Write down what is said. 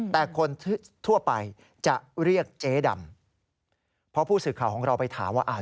แต่คนทั่วไปจะเรียกเจ๊ดำเพราะผู้สื่อข่าวของเราไปถามว่าอ่า